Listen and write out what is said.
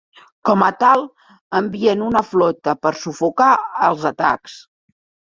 Com a tal, envien una flota per sufocar els atacs.